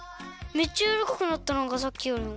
めっちゃやわらかくなったなんかさっきよりも。